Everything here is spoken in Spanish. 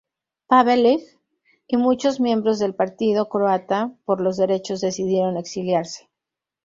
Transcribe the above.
Pavelić y muchos miembros del Partido Croata por los Derechos decidieron exiliarse.